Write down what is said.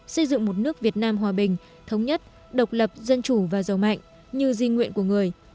xây dựng một nước việt nam hòa bình thống nhất độc lập dân chủ và giàu mạnh như di nguyện của người